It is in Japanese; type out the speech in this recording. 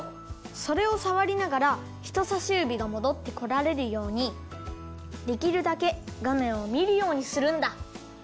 それをさわりながらひとさしゆびがもどってこられるようにできるだけがめんをみるようにするんだ。